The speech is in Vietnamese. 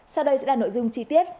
sau đây sẽ là nội dung chi tiết